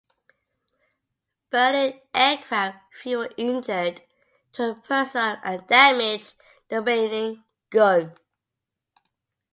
Burning aircraft fuel injured turret personnel and damaged the remaining gun.